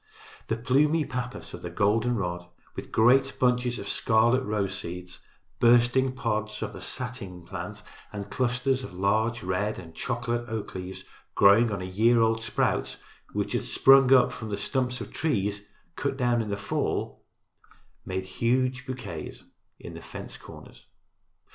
The plumy pappus of the golden rod, with great bunches of scarlet rose seeds, bursting pods of the satin plant and clusters of large red and chocolate oak leaves growing on year old sprouts which had sprung up from the stumps of trees cut down the fall before made huge bouquets in the fence corners.